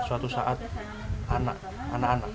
suatu saat anak anak